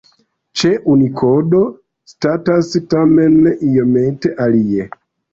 Ĉe Unikodo statas tamen iomete alie.